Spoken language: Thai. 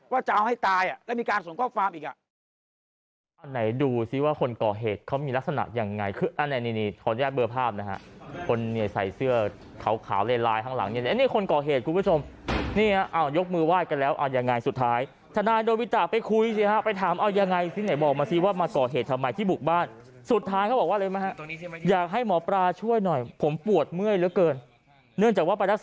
ว่าจะเอาให้ตายแล้วมีการส่งครอบครัวอีก